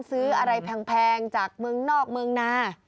ซื้ออะไรแพงจากเมืองนอกเมืองนา